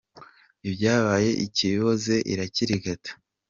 Ibyaye ikiboze iracyirigata.